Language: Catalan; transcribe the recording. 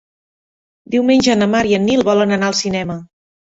Diumenge na Mar i en Nil volen anar al cinema.